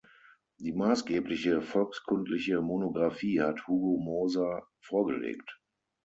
Die maßgebliche volkskundliche Monographie hat Hugo Moser vorgelegt.